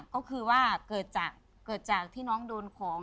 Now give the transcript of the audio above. ก็คือว่าเกิดจากเกิดจากที่น้องโดนของ